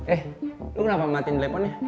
eh lo kenapa matiin dileponnya